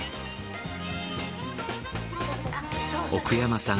奥山さん